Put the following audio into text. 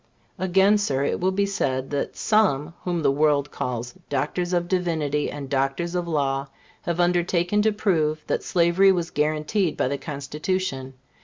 Again, Sir, it will be said that some whom the world calls Doctors of Divinity and Doctors of Law have undertaken to prove that slavery was guaranteed by the Constitution.